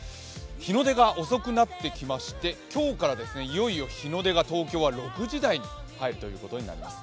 日の出が遅くなってきまして今日からいよいよ東京の日の出は６時台に入るということになります。